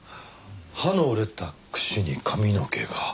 歯の折れたくしに髪の毛が。